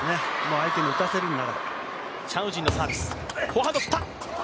相手に打たせるならば。